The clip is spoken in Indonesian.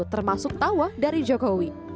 termasuk tawa dari jokowi